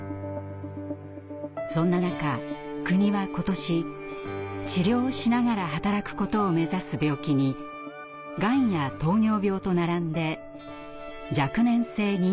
そんな中国は今年「治療しながら働くこと」を目指す病気にがんや糖尿病と並んで「若年性認知症」を加えました。